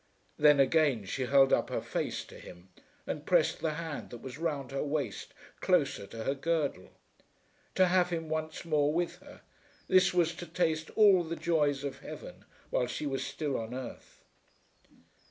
Then again she held up her face to him and pressed the hand that was round her waist closer to her girdle. To have him once more with her, this was to taste all the joys of heaven while she was still on earth.